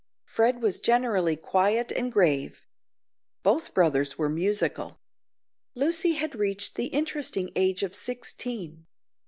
Fred was generally quiet and grave. Both brothers were musical. Lucy had reached the interesting age of sixteen.